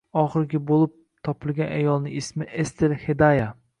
Oxirgi bo‘lib topilgan ayolning ismi Estel Xedaya